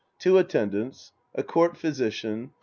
Two Attendants. A Court Physician.